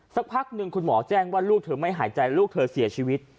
สักพักหนึ่งคุณหมอแจ้งว่าลูกเธอไม่หายใจลูกเธอเสียชีวิต